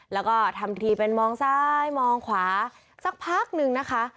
แล้วก็ทำทีเป็นมองซ้ายมองขวาสักพักนึงนะคะ